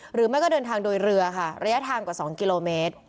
หรือไม่ก็เดินทางโดยเรือค่ะระยะทางกว่า๒กิโลเมตร